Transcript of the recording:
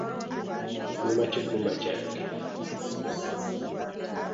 Nnuma kigumba kyange, maliriza.